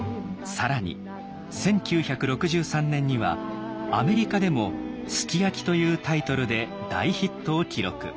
更に１９６３年にはアメリカでも「Ｓｕｋｉｙａｋｉ」というタイトルで大ヒットを記録。